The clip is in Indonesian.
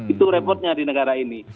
itu repotnya di negara ini